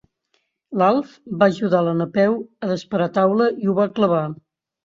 L'Alf va ajudar la Napeu a desparar taula i ho va clavar.